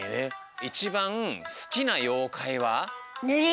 いちばんすきなようかいは？